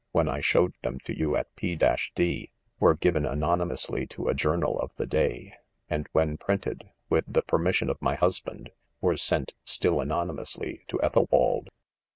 when I showed them to you at P —■ d, were given anonymously to a journal of the day, and when printed, with the permission of my husband, were sent, stijj. anonymously, to Ethelwald.